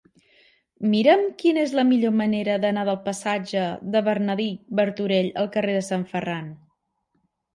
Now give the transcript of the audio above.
Mira'm quina és la millor manera d'anar del passatge de Bernardí Martorell al carrer de Sant Ferran.